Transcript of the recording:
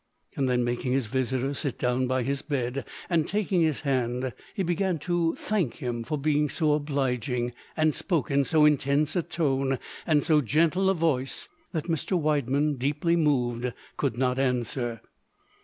Then, making his visitor sit down by his bed, and taking his hand, he began to thank him for being so obliging, and spoke in so intense a tone and so gentle a voice, that Mr. Widemann, deeply moved, could not answer.